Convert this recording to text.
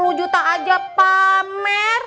isinya sepuluh juta aja pak mer